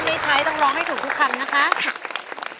คำนี้ใช้ต้องร้องให้ถูกทุกคำนะคะครับ